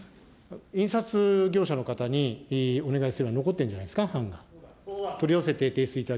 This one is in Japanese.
印刷業者の方にお願いすれば残ってるんじゃないですか、はんが。